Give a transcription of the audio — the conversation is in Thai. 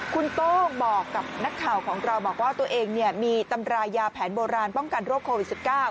คุณโต้งบอกกับนักข่าวของเราบอกว่าตัวเองมีตำรายาแผนโบราณป้องกันโรคโควิด๑๙